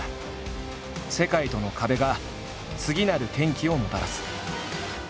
世界との壁が次なる転機をもたらす。